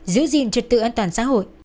giữ gìn trật tự an toàn xã hội